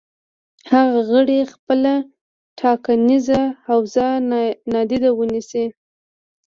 هغه غړي خپله ټاکنیزه حوزه نادیده ونیسي.